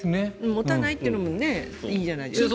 持たないというのもいいんじゃないですか。